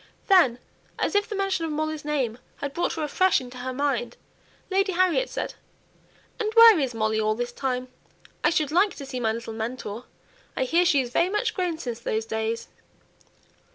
Then, as if the mention of Molly's name had brought her afresh into her mind, Lady Harriet said, "And where is Molly all this time? I should like to see my little mentor. I hear she is very much grown since those days."